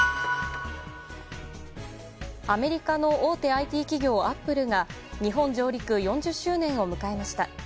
アメリカの大手ＩＴ企業アップルが日本上陸４０周年を迎えました。